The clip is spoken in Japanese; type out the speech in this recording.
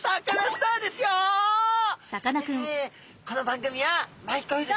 この番組は毎回。